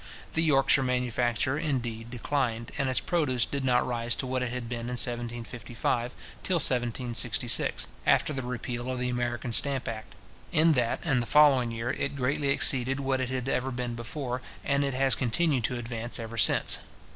The Yorkshire manufacture, indeed, declined, and its produce did not rise to what it had been in 1755, till 1766, after the repeal of the American stamp act. In that and the following year, it greatly exceeded what it had ever been before, and it has continued to advance ever since.